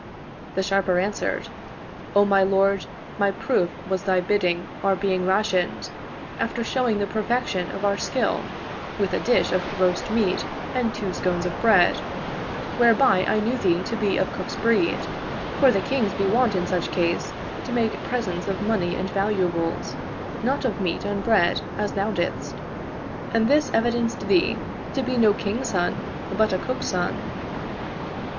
The Sharper answered, " O my lord, my proof was thy bidding our being rationed, after showing the perfection of our skill, with a dish of roast meat and two scones of bread ; whereby I knew thee to be of cook's breed, for the Kings be wont in such case to make presents of money and valuables, not of meat and bread as thou didst, and this evidenced thee to be no king's son, but a cook's son."